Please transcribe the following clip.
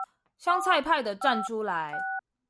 香菜派的站出來